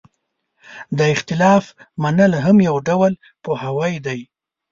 د اختلاف منل هم یو ډول پوهاوی دی.